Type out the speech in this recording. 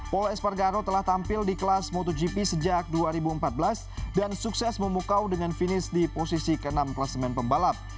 paul espargaro telah tampil di kelas motogp sejak dua ribu empat belas dan sukses memukau dengan finish di posisi ke enam kelas main pembalap